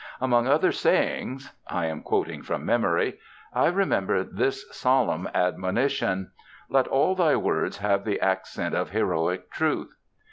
Among other sayings I am quoting from memory I remember this solemn admonition: "Let all thy words have the accent of heroic truth."